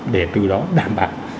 để từ đó đảm bảo